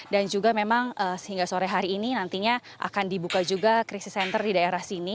dan juga memang sehingga sore hari ini nantinya akan dibuka juga krisis center di daerah sini